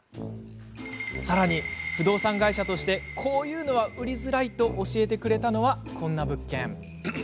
さらに、不動産会社としてこういうのは売りづらいと教えてくれたのは、こんな物件。